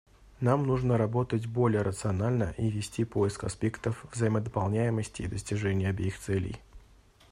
Нам нужно работать более рационально и вести поиск аспектов взаимодополняемости и достижения обеих целей.